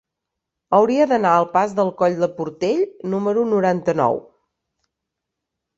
Hauria d'anar al pas del Coll del Portell número noranta-nou.